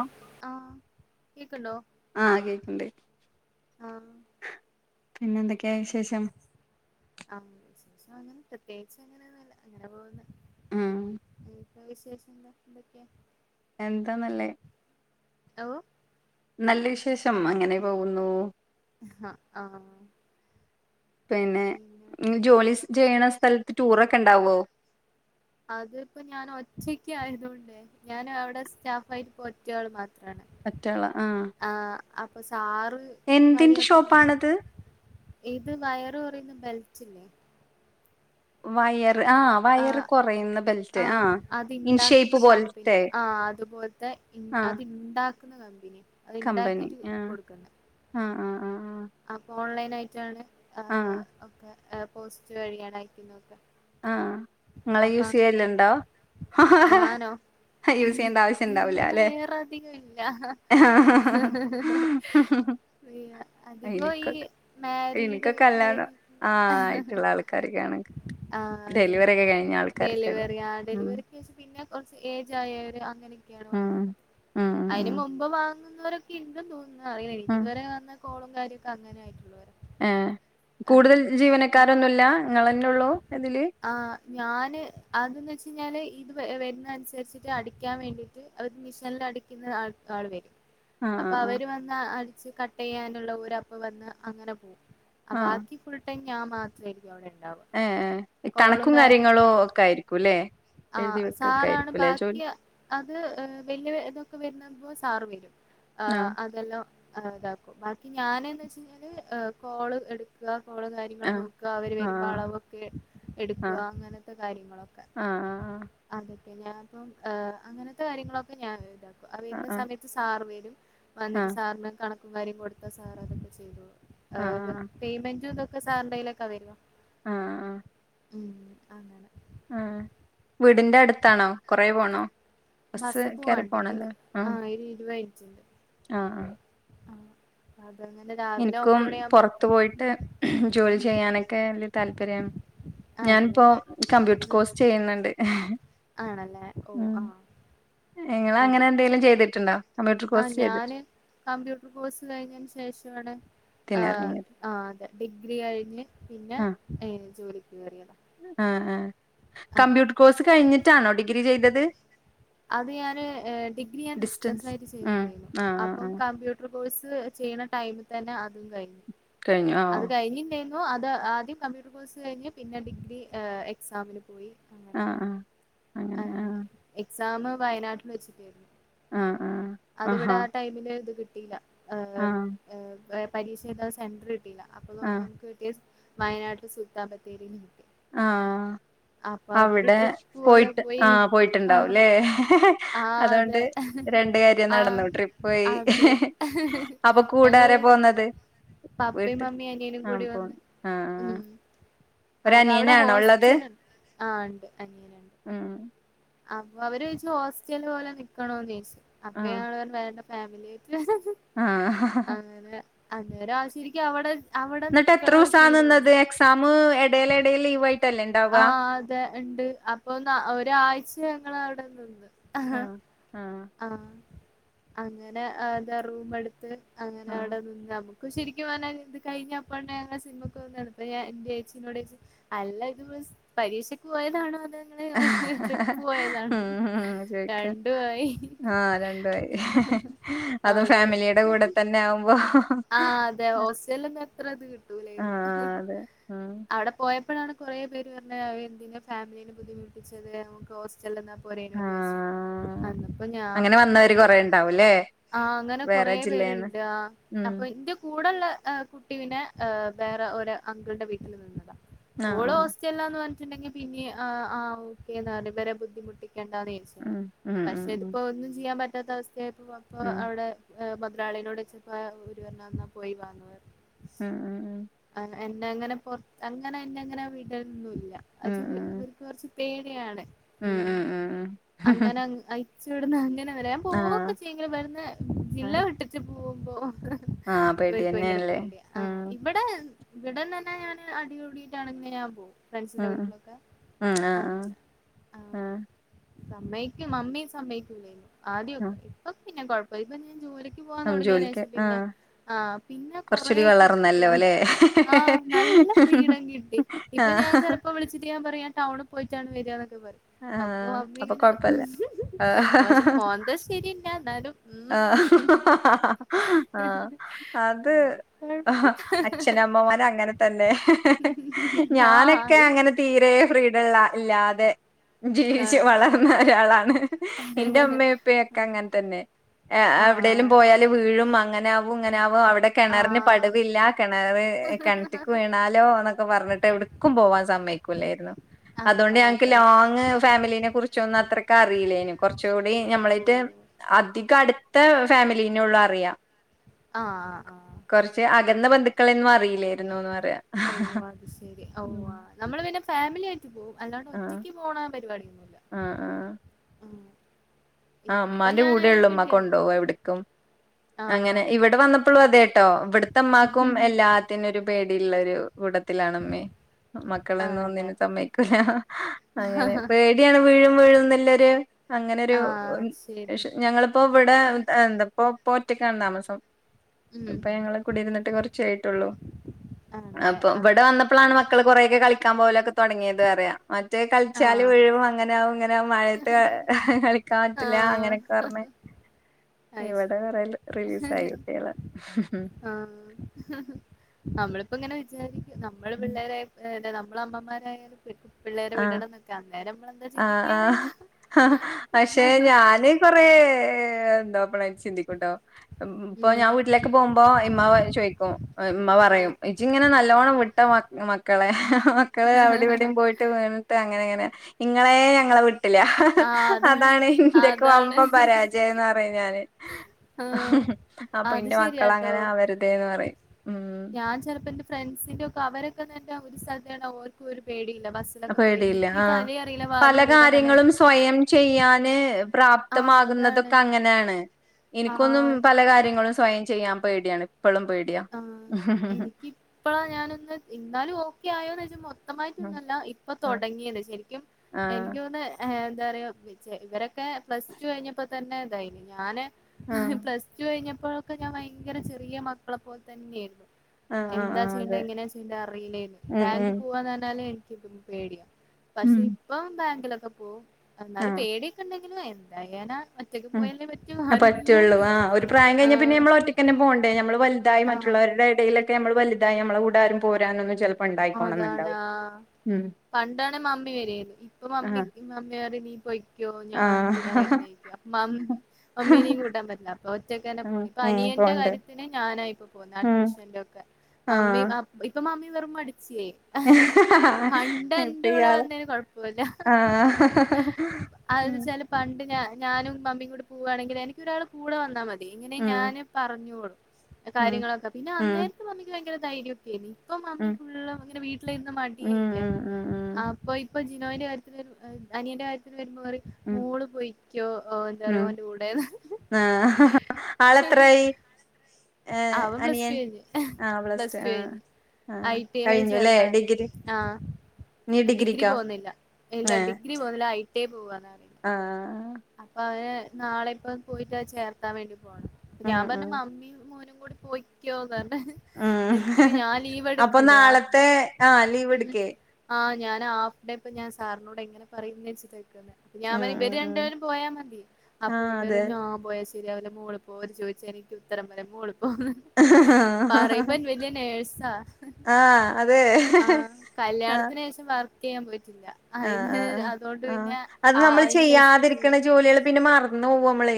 ആഹ് ആഹ് കേക്ക്ണ്ടോ ആഹ് കേക്ക്ണ്ട്‌ ആഹ് പിന്നെ എന്തൊക്കെ അങ്ങനെ വിശേഷം ആഹ് അങ്ങനെ പ്രത്യേകിച്ച് അങ്ങനെന്നുല്ല അങ്ങനെപോവുന്ന് ഉം ഉം വിശേഷം എന്താ എ ന്തൊക്കെ എന്താന്നല്ലേ ഓഹ് നല്ല വിശേഷം അങ്ങനെ പോകുന്നു ആഹ് ആഹ് പിന്നെ ജോലി ചെയ്യണ സ്ഥലത്ത് ടൂറൊക്കെ ഉണ്ടാവോ അതിപ്പോ ഞാൻ ഒറ്റയ്ക്ക്‌ ആയതോണ്ട് ഞാൻ അവ്ടെ സ്റ്റാഫ് ആയി ഒറ്റയാള് മാത്രാണ് ഒറ്റാള ആഹ് ആഹ് അപ്പൊ സാറ് എന്തിന്റെ വരിയപ്പോ അങ്ങനെ ഷോപ്പാണത് ഇത് വയറ് കുറയുന്ന ബെൽറ്റ്ല്ലേ വയർ ആഹ് വയറ് ആഹ് കൊറയുന്ന ബെൽറ്റ് ആഹ് ഇൻഷേപ്പ് അതിണ്ടാക്കുന്ന സ്കമ്പനി പോലത്തെ ആ അതുപോൽത്തെ ആഹ് അതിൺണ്ടാക്കുന്ന കമ്പനി അത് കമ്പനി ഇണ്ടാക്കീട്ട് ആഹ് കൊടുക്കുന്നെ ആഹ് ആഹ് ആഹ് ആ അപ്പൊ ഓൺലൈനായിട്ടാണ് ആ ഒക്കെ പോസ്റ്റ് വഴി ആണയക്കുന്നത് ആഹ് ങ്ങള് യൂസ് ചെയ്യല്ണ്ടോ ഞാനോ ആവശ്യം ഇനിക്ക് ഉണ്ടാവൂല വേറെഅധിക ഇല്ല അല്ലെ അധികോ ഈ എനിക്കൊക്കെ എനിക്ക് മാരീഡ് കഴി കല്യാണം ആ [unintelligible] ആഹ് ഡെലിവറി ഒക്കെ കഴിഞ്ഞ ആൾക്കാർക്കുള്ള അതെതെഡലിവറി ആഹ് ഉം ഡെലിവറി എസ് പിന്നെ കുറച് ഏജ് ആയൊര് അങ്ങനെക്കെയാണ് ഉം വാങ്ങുന്നേ ഉം അയിന് ഉം മുമ്പും വാങ്ങു തന്നുന്നവരൊക്ക എന്തും തോന്നന്ന് അറീലെനിക്ക് ഉം ഇതുവരെ വന്ന കോളും കാര്യൊക്കെ അങ്ങനെ ആയിട്ടുള്ളവരാ ഏഹ് കൂടുതൽ ആഹ് ജീവനക്കാരൊന്നുല്ല ഇങ്ങളെന്നെ ഉള്ളൂ ഇതില് ആഹ് ഞാന് അതന്നവെച്ചായിഞ്ഞാൽ ഇത് വരുന്നനുസരിചിട്ട് അടിക്കാൻ വേണ്ടി അവര് അവര് മിഷനിൽ അടിക്കുന്ന ആ ആൾ വരും ആ അപ്പൊ ആ അവര് വന്ന് അടിച്ച് കട്ട്യ്യാനുള്ളോര്പ്പ വന്ന് അങ്ങനെ പോകും ആ അബാക്കി ഫുൾടൈം ഞാൻ മാത്രയിക്കും അവിടെ ഉണ്ടാവുക ഏഹ് ഏഹ് കോളും ഇകണക്കും കാര്യങ്ങളൊക്കെ കാര്യങ്ങളും ഒക്കെ ആയിരിക്കുംല്ലെ ആഹ് സാറാണ് ബാക്കിയ അത് ഈഹ് വലിയ ഇതൊക്കെ വരുന്നത് സാറ് വിളിക്കും ആ അതെല്ലാം ആഹ് ഇതാക്കും ബാക്കി ഞാന് എന്തച്ചഴിഞ്ഞാല് കോള് എടുക്ക കോള് കാര്യങ്ങള് ആ നോ അവർ ആ വരുമ്പോ അളവൊക്കെ ആ എടുക്കുക അങ്ങനത്തെ കാര്യങ്ങളൊക്കെ ആ ആ അതക്കെ ഞാനും ഹ് അങ്ങനത്തെ കാര്യങ്ങളൊക്കെ ഞാൻ ഇതാക്കും ആ അറിയുന്ന സമയത് സാർ വെരും ആ വന്നിട്ട് സാറിന് കണക്കും കാര്യം കൊടുത്താ സാറതൊക്കെ ചെയ്തോളും ആ ആകെ പേയ്മെന്റും തൊക്കെ സാറിന്റെലേയ്ക്ക വരാ ആഹ് ആഹ് ഉം അങ്ങനെ അഹ് വീടിന്റെ അടുത്താണോ കൊറെ പോണോ ബസ് കേറി പോവാണ്ട് ഇത് പോണല്ലെ ആ ആഹ് ഒരു ഇരുപത് മിനിറ്റുണ്ട് ആഹ് ആ അതെ ഇന്നലെ രാ ഇൻക്കും പൊറത്തു പോയിട്ട് ജോലി ചെയ്യാനൊക്കെ വല്യ താല്പര്യാണ് ആണല്ലേ ഞാനിപ്പോ കമ്പ്യൂട്ടർ ഉം കോഴ്സ് ചെയ്യുന്നുണ്ട് ആണല്ലേ ഓഹ് ആഹ് നിങ്ങളങ്ങനെ എന്തെങ്കിലും ചെയ്തിട്ടുണ്ടോ കമ്പ്യൂട്ടർ ആ കോഴ്സ് ഞാന് ചെയ്തിട്ടത്തിന് കമ്പ്യൂട്ടർ കോഴ്സ് കഴിഞ്ഞതിന് ശേഷമാണ് ആ ഇറങ്ങിയത് ആ അതെ ഡിഗ്രി കഴിഞ്ഞ് പിന്നെ ആഹ് ജോലിക്ക് കേയറിയത ആഹ് ആഹ് കമ്പ്യൂട്ടർ കോഴ്സ് കഴിഞ്ഞിട്ടാണോ ഡിഗ്രി ചെയ്തത് അത് ഞാന് ഡിഗ്രി ഞാൻ ഡിസ്റ്റൻസ് ആയിട്ട് ഉം ചെയ്തിണ്ടായ്ന്നു ആഹ് ആഹ് അപ്പം ആഹ് കമ്പ്യൂ മ്പ്യുട്ടർ കോഴ്സ് ചെയ്യ്ണ ടൈമി തന്നെ അതും കഴിഞ്ഞു. കഴിഞ്ഞു ആഹ് അത് ഓഹ് കയ്ഞ്ഞി ല്ലെ അപ്പോ അത് ആദ്യം കമ്പ്യൂട്ടർ കോഴ്സ് കഴിഞ്ഞ് പിന്നെ ഡിഗ്രി ഏഹ് എക്സാമിന് പോയി ആഹ് അങ്ങനെയൊക്കെ ആഹ് ആഹ് എക്സാം വയനാട്ടിൽ വച്ചിട്ടേര്ന്നു. ആഹ് ആഹ് അത് ആഹാ വിടാ ടൈ മിലെ ത് കിട്ടീല്ല, ഏഹ് ആഹ് എഹ് പരീക്ഷഎഴുതാൻ സെന്റർ ക് കിട്ടീല അപ്പോ ആഹ് നമുക്ക് കിട്ടിയ വയനാട്ടില് സുൽത്താബത്തേരില് കിട്ടി ആഹ് അപ്പൊ അതൊരു അവിടെ ട്രിപ്പ് പോലെ പോയിട്ട് പോയി ആഹ് ആഹ് പോയിട്ടുണ്ടാവുല്ലേ ആഹ് അതുകൊണ്ട് അതെ രണ്ട് കാര്യം ആഹ് നടന്നു ട്രിപ്പോയി അതെ അപ്പോ കൂടാര പോന്നത്? പപ്പേം വീട്ട് മമ്മീം അനിയനും ആഹ് കൂടി പോണ് വന്ന് ആഹ് ഉം അതവടെ ഒരനിയനാണോ ഉള്ളത് ഹോസ്റ്റല് ആഹ് ഇണ്ട് അനിയന്ണ്ട് ഉം അപ്പോ അവര് ചോദിച്ചു ഹോസ്റ്റല് പോലെ നിക്കണോന്ന് ചോദിച്ചു അപ്പാ ആഹ് ഞങ്ങള് പറഞ്ഞു വേണ്ട ഫാമിലി ആയിട്ട് [unintelligible] ആഹ് അങ്ങനെ അന്നേരം ആഹ് ശെരിക്കും അവടെ എന്നിട്ട് എത്ര ദിവസാ നിന്നത് എക്സാം എടെല് എടെല് ലീവ് ആയിട്ടല്ലേ ഇണ്ടാവുകാ ഇതെ ഇണ്ട് അപ്പോന്താ ഒരാഴ്ച ഞങ്ങളവടെ നിന്ന് ആഹ് ആഹ് ആഹ് അങ്ങനെ എന്താ റൂം എടുത്ത് അങ്ങനെ ആഹ് അവിടെ നിന്നാ നമു ക്കു ശെരിക്കു പറഞ്ഞാ ഇത് കഴിഞ്ഞപ്പോ [unintelligible] എന്റെ ചേച്ചിനോട് അല്ല ഇത് പരീക്ഷക്ക് പോയതാണോ അത് [unintelligible] ട്രിപ്പ് പോയതാണ് ഉം ഉം ചോയിക്ക രണ്ടുവായി ആഹ് രണ്ടുവായി അതും അതെ ഫാമിലിടെ കൂടെ തന്നെ ആകുമ്പോ ആഹ് അതെ ഓസ്റ്റലൊന്നും അത്ര ഇത് കിട്ടൂലാരുന്നു. അതെ ആഹ് അവടെ പോയപ്പോഴാണ് കൊറേ പേര് പറഞ്ഞേ എന്തിന ഫാമിലീനെ ബുദ്ധിമുട്ടിച്ചത് നമ്മുക്ക് ഹോ ച്ചേല്ലാന്നാ പോരനേ ചോയിച്ച് ആഹ് അന്നപ്പോ ഞാൻ അങ്ങനെ പറഞ്ഞ് വന്നവര് എ കൊറേ ഉണ്ടാവുംല്ലേ ആഹ് അങ്ങനെ കൊറേ വേറെ ജില്ലേന്ന് പേര്ണ്ട് ആഹ് ഉം അപ്പോ ഇന്റെ കൂടെള്ള ഏഹ് കു ട്ടി പിന്നെ വേറെ ഒരു അങ്കിളന്റെ വീട്ടില് നിന്നതാ ആഹ് ഓള് ഹോ ആഹ് സ്റ്റേല്ലാന്ന് പറഞ്ഞിട്ടണ്ടങ്കി പിന്നെ ആഹ് ആഹ് ഓക്കേ [unintelligible] ഇവരെ ബുദ്ധിമുട്ടിക്കേണ്ടന്നേ ഉം ഉം പഷേ ഉം ഇതിപ്പോ ഒന്നും ചെയ്യാൻ പറ്റ പറ്റാത്ത അവസ്ഥയായപ്പോ വാപ്പാ ഉം അവടെ മോതലാളിനോട് ചോയിച്ചപ്പോ അവരുപറഞ്ഞു എന്നാ പോയി വാന്ന് പറ്ഞ്ഞു ഉം ഉം ഉം ആഹ് എന്നെ അങ്ങനെ പൊ അങ്ങനെ എന്നെങ്ങനെ വീടലൊന്നുല്ല ഉം [unintelligible] ഉം ഇവർക്ക് കൊറച്ച് പേടിയാണ് ഉം ഉം ഉം ഉം ഉം അങ്ങനെ അയ്ച്ച് വിട്ന്ന അങ്ങന വരാൻ ആഹ് പോവൊക്കെ ചെയ്യുങ്കിലും വരുന്ന ജില്ല ആഹ് വിട്ടിട്ട് പോവുമ്പോ ആഹ് ഇവർക്ക് ഭയങ്കര പേടിയന്നെല്ലേ പേടിയാ ഉം ആഹ് ഇ ഇവടെ ഇവടന്നന്നെ ഞാന് അടികുടിട്ടാണെലും ഞാൻ പോവും ഫ്രണ്ട്സിൻ്റെ ഉം വീട്ടിലൊക്കെ ഉം ആഹ് ആഹ് അങ്ങനെ ആഹ് സമ്മയ്ക്കും മമ്മി സമ്മയ്ക്കുലേനു ആഹ് ആദ്യോക്കെ ഇപ്പോ പിന്നെ കൊഴപ്പ ഇപ്പ ഞാൻ ജോലി ക്ക്‌ പോവാൻ ഉം ജോലിക്ക് തൊടങ്ങിയെനേഷം പിന്നെ ആഹ് ആഹ് പിന്നെ കൊറച്ചൂടി കൊറെക്കെ ഫ്രീ വളർന്നല്ലോ ല്ലേ ആഹ് നല്ല ഫ്രീഡം കിട്ടി ഇപ്പോ ഞാൻ ആഹ് ചെലപ്പോ വിളിച്ചിട്ട് ഞാൻ പറയും ടൗണ് പോയിട്ടാണ് വരികന്നോക്കെ പറയും അപ്പോ ആഹ് അമ്മി അപ്പൊ ഇങ്ങനെ കൊഴപ്പല്ല പക്ഷെ ആഹ് മോന്ത ശെരിയല്ല ന്നാലും ആഹ് ആഹ് അത് അങ്ങനെ കൊഴപ്പല്ല അച്ഛനമ്മമാരങ്ങനെ തന്നെ ഞാനക്കെ ആഹ് അങ്ങനെ തീരെ ഫ്രീഡ്ള്ള ഇല്ലാതെ ജീവിച്ചു വളർന്ന ഒരാളാണ് എന്റെ ഉമ്മേം ഉപ്പേം ഒക്കെ അങ്ങനെ തന്നെ എവടെലും ആഹ് പോയാല് വീഴും അങ്ങനാവും ഇങ്ങനാവും അവടെ കെണറ്ന് ആഹ് പടുവില്ല കെണറ് കെണറ്റ്ക്ക് വീണാലോ ന്നൊക്കെ പറഞ്ഞിട്ട് എവടു ക്കും പോവാൻ സമ്മയക്കൂല്ലാരുന്നു അതുകൊണ്ട് ആഹ് ഞങ്ങക്ക് ലോ അതാണ് ങ്ങ് ഫാമിലിനെ കുറിച്ചൊന്നും അത്രക്ക്‌ അറിയിലെനു കൊറച്ചുടി ഓ ഞമ്മളയിട്ട് അധികം അടുത്ത ഫാമിലീനൊള്ളൂ അറിയാ ആഹ് ആ ആഹ് കുറച്ച് അകന്ന ബന്ധുക്കളെന്നും അറിലെയ്നു ന്ന് പറിയാ ഓ അത് ശരി ഓ ആഹ് നമ്മള് പിന്നെ ഫാമിലി ആയിട്ട് പോവും അല്ലാണ്ട് ആഹ് ഒറ്റക്ക് പോണ പരിപാടിയൊന്നുംല്ല ആഹ് ആഹ് ആ്ഹ് മ്മാന്റെ കൂടെയള്ളു മ്മാ കൊണ്ടോക എവിടക്കും അങ്ങനെ ആഹ് ഇവിടെ വന്നപ്പോളും അതെ ട്ടോ ഇവിടത്തെമ്മാക്കും എല്ലാത്തിനുംരു പേടിള്ള ഒരു കൂടത്തിലാണമ്മേ മക്കളന്നും ആണല്ലേ ഒന്നിനും സമ്മയ്ക്കൂല അങ്ങനെ പേടിയാണ് വീഴും വീഴും ന്ന് ള്ളൊരു അങ്ങനെരു ആഹ് ശരി ഞങ്ങളിപ്പോ ഇവിടെ എന്തപ്പ പ്പൊ ഒറ്റക്കാണ് താമസം ഉം ഇപ്പൊ ഞങ്ങള് കുടി ഇരുന്നിട്ട് കുറച്ചായിട്ടുള്ളൂ ആണല്ലേ അപ്പൊ ഇവിടെ ആഹ് വന്ന പ്പളാണ് മക്കൾ കുറേയൊക്കെ കളിക്കാൻ പോലൊക്കെതോടങ്ങിയത് പറയാ മറ്റേ കളിച്ചാല് ആഹ് വീഴും അങ്ങനാവും ഇങ്ങനെ ടെ മഴയത്ത് കളിക്കാൻ പറ്റില്ല ആഹ് അങ്ങനൊക്കെ പറഞ്ഞേ അത് ഇവിടെ ശരി റയൽ റിലീസ് ആയി കുട്ട്യ ള് ആ നമ്മളിപ്പോ ഇങ്ങനെ വിചാരിക്കും നമ്മള് പിള്ളേരെ ഏതെ നമ്മ അമ്മമാരായാലും പിള്ളേരെ ആ വിടണം എന്നൊക്കെ അന്നേം നമ്മളെന്താ ആഹ് ചിന്തിക്കാറിയില്ല പക്ഷെ ഞാന് കൊറെ നോർമലായി ചിന്തികുട്ടോ ഇപ്പൊ ഉം ഞാൻ വീട്ടിലേക്ക് പോകുമ്പോ ഇമമാ മ ചോദിക്കും മ്മ ഉം പറയും ജ്ജ് ഇങ്ങനെ നല്ലോണം വിട്ട മ മക്കളെ മക്കള് അവിടെ ഇവിടെയും പോയിട്ട് ട്ട് അങ്ങനെ അങ്ങനെ ഇങ്ങളെ ഞങ്ങളെ വിട്ടില്ല ആഹ് അതാണ് അതാണെ ഇനന്റെക്ക് അതാണ് വമ്പൻ പരാജയംന്ന് പറയും ഞാന് ആഹ് അപ്പൊ അത് ഇന്റെ മക്കള ശരിയാട്ടോ ങ്ങനെ ആ വരുതേന്ന് പറയും ഉം ഫ്രണ്ട്സിന്റെറെ ഒക്കെ അവരൊക്കെ തന്ന ഒരു സ്ഥലത്ത ഓർക്കും ഒരു പേടിയില്ല ബസ് ക്കെ പോയിനി പേടിയില്ല ക്കി ആഹ് തലെ അറിയില്ല പല വാലും അറിയില്ലന്നർഞായിരി കാര്യങ്ങളും സ്വയം ചെയ്യാന് ആഹ് അതാണ് പ്രാപ്തമാകുന്നതൊക്കെ അങ്ങനെയാണ് എനിക്കൊന്നും ആഹ് പല കാര്യങ്ങളും സ്വയം ചെയ്യാൻ പേടിയാണ് ഇപ്പളും പേടിയ ഇപ്പോഴാ ഞാനൊന്ന് ഇന്നാലും ഓക്കെ ആയോന്ന് വെച്ചാ വക്തമായിട്ടൊന്നല്ല ഇപ്പൊ ആഹ് തുടങ്ങിയത് ശരിക്കും ആഹ് എനിക്കൊന്ന് എന്താ പറയാ ഇവരെ ക്കെ പ്ലസ് ടു കഴിഞ്ഞപ്പോ തന്നെ തായി ഞാന് ആഹ് പ്ലസ്‌ റ്റുകഴിഞ്ഞപ്പോഴൊക്കെ ഞാൻ ഭയങ്കര ചെറിയ മക്കളെപ്പോലെ തന്നെയായിരുന്നു ആഹ് ആഹ് എന്താ ആഹ് ചെയ്യണ്ട അതെ. എങ്ങനെയാ ചെയ്യണ്ട അറിയില്ലേ ര്ന്ന് ഉം ബാങ്ക് ഉം പോവാന്നർഞ്ഞാല് എനിക്ക്പ്പ പേടിയാ ഉം പക്ഷെ ഇപ്പൊ ബാങ്കിലൊക്കെ പോവും എന്നാലും ആഹ് പേടിയൊക്കെ ണ്ടെങ്കിലും എന്തായന ഒറ്റക് ഉം. പോയേല്ലേ പറ്റു ആഹ് ആരുല്ലല്ലോ ആ റ്റക്കെന്നെ പോണ്ടേ നമ്മള് വലുതായി മറ്റുള്ളവരുടെ ഇടയിലൊക്കെ നമ്മൾ വലുതായി നമ്മള കൂടാരും പോരാനൊന്നും ചെലപ്പോ ഇണ്ടായിക്കോണംന്നുണ്ടാവില്ല. [unintelligible] ഉം പണ്ടാണെ മമ്മി വരയെയ്ന് ഇപ്പൊ മമ്മി ആഹ് മമ്മിയറി നീ പൊയ്ക്കോ ഞാൻന്തിനാ ആഹ് വരുന്നെ മാം മമ്മി നിം കൂട്ടാൻ പറ്റില്ല അപ്പൊ ഒറ്റക്കെന്നെ ഉം പോണം ഇപ്പൊ ഉം അനിയന്റെ പോണ്ടേ. കാര്യത്തിന് ഞാനായി ഇപ്പോ പോന്നെ ഉം അഡ്മിഷൻ എന്റെ ഒക്കെ മമ്മി ആഹ് ഇപ്പൊ മമ്മി വെറും മടിച്ചിയായി പണ്ട് ഇപ്പ എന്റെ കൂടെ ഇയാള് വന്നേന് കൊഴപ്പമില്ല ആഹ് അത്ന്ന് ഉം വെച്ചാല് പണ്ട് ഞാനും മമ്മിയും കൂടി പോവാണെങ്കിൽ എനിക്ക് ഒരാള് കൂടെ വന്നാ മതി ഇങ്ങനെ ഉം ഞാന് പറഞ്ഞോളും ഉം കാര്യങ്ങളൊക്കെ പിന്നെ ഉം അന്നേരത്തെ പറഞ്ഞ ഭയങ്കര ധൈര്യംക്കെനി ഇപ്പൊ മമ്മി ഉം ഫുള്ള് ഇങ്ങനെ വീട്ടിലിരുന്ന് ഉം മടിയായില്ലേ ഉം ഉം അപ്പൊ ഇപ്പൊ ജിനോയിന്റെ കാര്യത്തില് വ അനിയന്റെ കാര്യത്തില് വരുമ്പറിം ഉം ഉം മൂള് പൊയിക്കോ എന്താറിയോ ഉം ഓന്റെ കൂടെന്ന് ആളത്രായി അവൻ പ്ലസ്ടു കഴഞ്ഞ് പ്ലസ് ടു കഴഞ്ഞ് ആഹ് ഐടിയിലേ കഴിഞ്ഞു അല്ലേ ചേർത്താന് ഡിഗ്രി ഇനി ആഹ ഡിഗ്രി ഡിഗ്രിക്കോ പോകുന്നില്ല ഇല്ല ഡിഗ്രി ഇ പോുന്നില്ല ഐട്ടേ പോവാന്നറിയും ആഹ അപ്പ അഹ് നാളെ ഇപ്പൊ പോയിട്ട് അഹ് ചേർക്ക ർത്താൻ വേണ്ടി പോണം. ഉം ഞാൻ പറഞ്ഞ ഉം മമ്മിയും മോനും കൂടി പോയിക്കോ കാര എനിക്ക് ഉം ഞാൻ അപ്പൊ ലീവ്ടുക്കണ്ടേ ആ നാളത്തെ ആഹ് ലീവ് ഉ എടുക്കേ ആഹ് ഞാ ഹാഫ് ഡേ പ്പെ ഞാൻ സാറിനോട് എങ്ങനെ പറയുന്നച്ചിട്ടക്ക ഞാൻ ഉം ഉം ഇവര് ഉം രണ്ടേരും പോയാ മതി അപ്പൊ ആഹ് അതെ ന്നേരം ഞാ പോയ.. ശരിയാവുല്ല മൂളൾ പോര് ചോദിച്ചാ എനിക്ക് ഉത്തരം വരെ മൂൾ പോന്ന് പറയുമ്പൻ വലിയ നേഴ്സാ ആഹ് അതെ ആ ആഹ് കല്യാണത്തിന് ചെയ്യാൻ പോില്ല ആഹ് അയ്ന് അതൊണ്ട് ആഹ് പിന്നെ ക് ണ ഫുള്ള് ജോലിള് പിന്നെ മറന്നൊവമ്മള്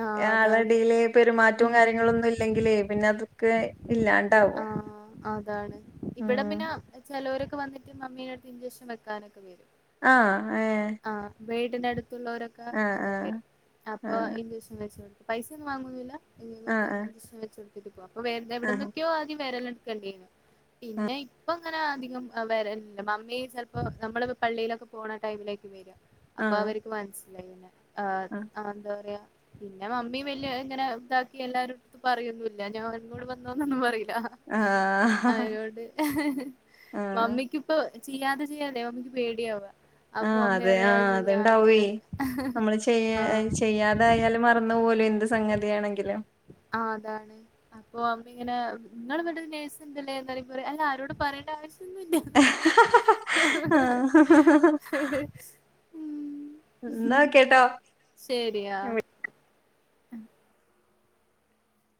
ആഹ് അതാണ് ആളെടീൽ പെരുമാറ്റും ഉം കാര്യങ്ങളൊന്നുംല്ലെങ്കില് പിന്നെ അതൊക്കെ ഇല്ലാണ്ടാവും ആഹ അതാണ് ഇബിടെ പിന്നെ ഉം ചെലൊരൊക്കെ വന്നിട്ട് മമ്മീന്റെടുത്ത് ഇൻചക്ഷൻ വെക്കാനൊക്കെ വരും ആ ഏ ആ വീടിന്റെ അടുത്തുള്ളോരൊക്കെ അങ്ങനെ ആഹ് വരും അപ്പൊ കൊ പൈസൊന്നുംവാങ്ങുന്നില്ല ആഹ് ആഹ് ഇഇഞ്ചേക്ഷൻ വെ കൊടുക്ക അപ്പ വ ആഹ് എവിടന്നൊക്കെയോ ആദ്യം വേരെല് ണ്ടേനി പിന്നെ ഇപ്പം അങ്ങനെ അധികം വര മമ്മേ ചെലപ്പോ നമ്മളി പള്ളിയിലൊക്കെ പോണ ടൈമിലേക്ക് വര്യാ ആഹ് അപ്പ ആഹ് അവർക്ക് മനസ്സിലായി പിന്നെ ആ എന്താ പറയാ പിന്നെ മമ്മി വല് ഇങ്ങനെ ഇതാക്കി എല്ലാരുംടു പറയൊന്നല്ല ഞാൻ എന്നോട് വന്നോന്നൊന്നും പറയില്ല ആഹ് ആഹ് ആഹ് അവരോട് ആഹ് മമ്മിക്ക്പ്പൊ ചെയ്യാതെ ചെയ്യാലേ അപ്പോ പേടിയാവ ആഹ അതെ ആഹ അത്ണ്ടാവേ ആഹ് നമ്മള് ചെയ ആഹ് ചെയ്യാത എന്തായാലും മറന്ന് പോകുലെ എന്ത് സംഗതിയാണെങ്കിലും ആ അതാണ് അപ്പൊ മമ്മി ഇങ്ങനെ നിങ്ങള് ണ്ടത് നേഴ്സ്ന്തല്ലേ എും പറയാ അല്ല ആരോട് പറയേണ്ട ആവശ്യൊന്നുല്ല ആഹ് ഉ ഉ എന്നാ ഓക്കേട്ടോ ശരി അ